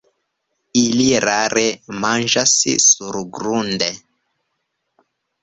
Ili rare manĝas surgrunde.